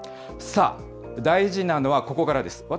さあ、大事なのはここからです。